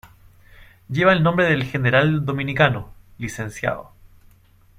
Lleva el nombre del General Dominicano, Lic.